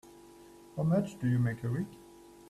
How much do you make a week?